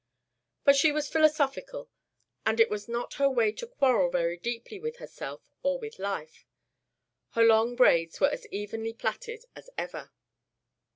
But she was philosophical, and it was not her way to quarrel very deeply with herself or with life. Her long braids were as evenly plaited as ever.